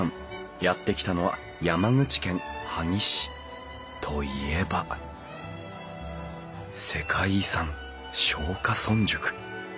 やって来たのは山口県萩市。といえば世界遺産松下村塾！